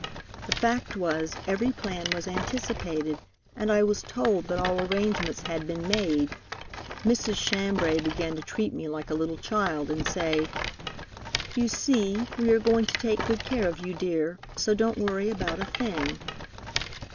The fact was, every plan was anticipated, and I was told that all arrangements had been made. Mrs. Chambray began to treat me like a little child and say: 'You see we are going to take good care of you, dear, so don't worry about a thing.'